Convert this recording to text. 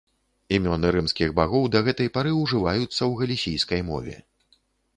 Імёны рымскіх багоў да гэтай пары ўжываюцца ў галісійскай мове.